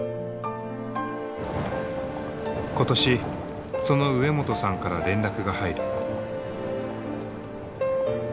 今年その植本さんから連絡が入る。